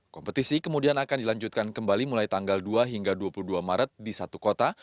kompetisi kemudian akan dilanjutkan kembali mulai tanggal dua hingga dua puluh dua maret di satu kota